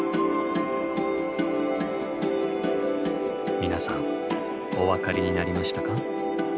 皆さんお分かりになりましたか？